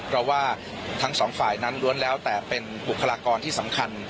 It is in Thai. เพราะว่าทั้งสองฝ่ายนั้นล้วนแล้วแต่เป็นบุคลากรที่สำคัญ